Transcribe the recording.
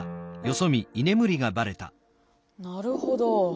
なるほど。